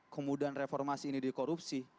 kemudian reformasi ini dikorupsi